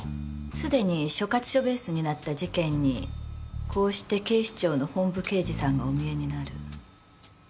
すでに所轄署ベースになった事件にこうして警視庁の本部刑事さんがお見えになる。